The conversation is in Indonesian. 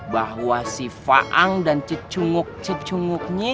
bahwa si faang dan cecunguk cicunguknya